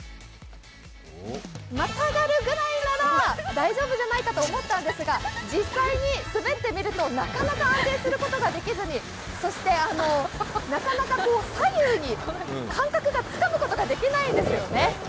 またがるぐらいなら大丈夫じゃないかと思ったんですが、実際に滑ってみるとなかなか安定することができずにそして、なかなか左右に、感覚がつかむことができないんですよね。